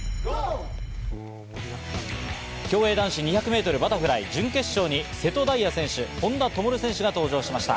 競泳男子２００ｍバタフライ準決勝に瀬戸大也選手、本多灯選手が登場しました。